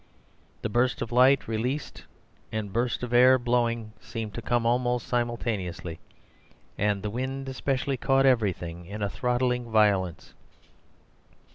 The burst of light released and the burst of air blowing seemed to come almost simultaneously; and the wind especially caught everything in a throttling violence.